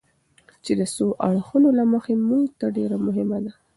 چې د څو اړخونو له مخې موږ ته ډېره مهمه ده.